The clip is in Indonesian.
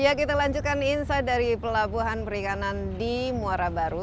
ya kita lanjutkan insight dari pelabuhan perikanan di muara baru